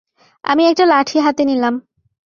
আমি একটা লাঠি হাতে নিলাম।